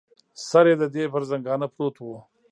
سر یې د دې پر زنګانه پروت و.